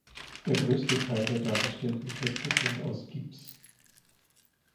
Der größte Teil der dargestellten Köpfe sind aus Gips.